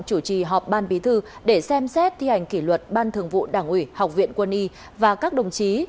chủ trì họp ban bí thư để xem xét thi hành kỷ luật ban thường vụ đảng ủy học viện quân y và các đồng chí